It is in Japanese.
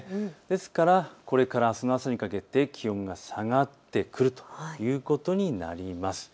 ですから、これからあすの朝にかけて気温が下がってくるということになります。